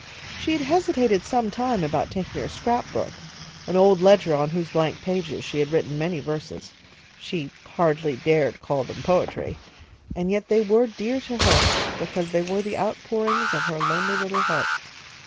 She had hesitated some time about taking her scrap book, an old ledger on whose blank pages she had written many verses. She hardly dared call them poetry, and yet they were dear to her, because they were the outpourings of her lonely little heart.